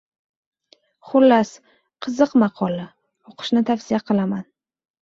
Xullas, qiziq maqola, o‘qishni tavsiya qilaman.